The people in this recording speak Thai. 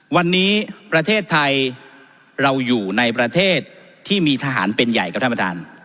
วันนี้ประเทศไทยเราอยู่ในประเทศที่มีทหารเป็นใหญ่ครับท่านประธาน